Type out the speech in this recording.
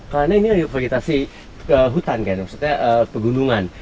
karena ini adalah vegetasi hutan kan maksudnya pegunungan